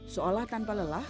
seolah tanpa lelah